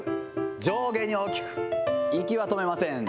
上下に大きく、息は止めません。